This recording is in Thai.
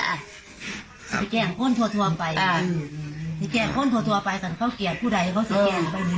จะแกล้งคนทั่วไปจะแกล้งคนทั่วไปส่วนเขาแกล้งผู้ใดเขาจะแกล้งไปเลยเนี่ย